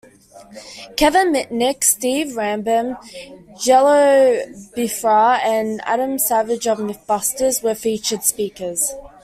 Kevin Mitnick, Steve Rambam, Jello Biafra, and Adam Savage of "MythBusters" were featured speakers.